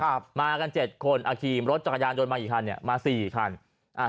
มากันเจ็ดคนอ่าขี่รถจักรยานยนต์มาอีกคันเนี้ยมาสี่คันอ่า